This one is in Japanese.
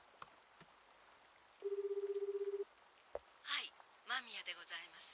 「はい間宮でございます」